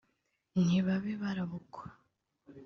nti babe barabukwa